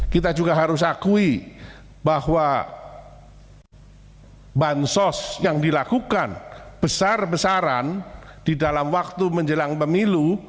kita juga harus akui bahwa bansos yang dilakukan besar besaran di dalam waktu menjelang pemilu